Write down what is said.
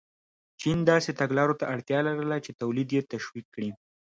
چین داسې تګلارو ته اړتیا لرله چې تولید یې تشویق کړي.